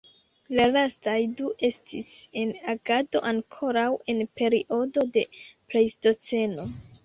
La lastaj du estis en agado ankoraŭ en periodo de plejstoceno.